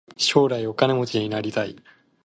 将来お金持ちになりたい。